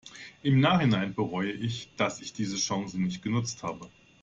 Im Nachhinein bereue ich, dass ich diese Chance nicht genutzt habe.